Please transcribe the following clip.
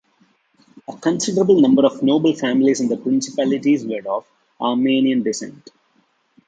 A considerable number of noble families in the Principalities were of Armenian descent.